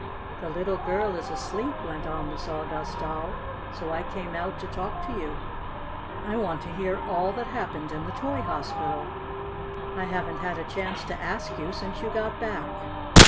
"The little girl is asleep," went on the Sawdust Doll, "so I came out to talk to you. I want to hear all that happened in the toy hospital. I haven't had a chance to ask you since you got back."